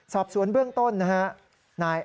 สอบสวนเบื้องต้นนะฮะ